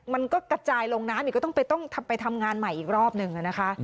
มันก็กระจายลงน้ำอีกก็ต้องไปทำงานใหม่อีกรอบหนึ่งนะคะ